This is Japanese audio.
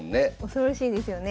恐ろしいですよね。